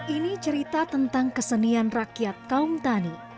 ini cerita tentang kesenian rakyat kaum tani